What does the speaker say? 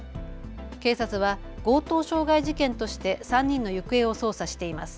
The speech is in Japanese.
警察は強盗傷害事件として３人の行方を捜査しています。